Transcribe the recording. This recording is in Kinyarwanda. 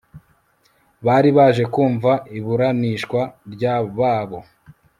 bari baje kumva iburanishwa ryababo